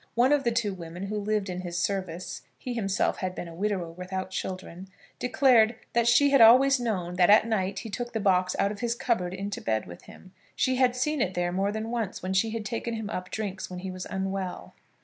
One of the two women who lived in his service, he himself had been a widower without children, declared that she had always known that at night he took the box out of his cupboard into bed with him. She had seen it there more than once when she had taken him up drinks when he was unwell.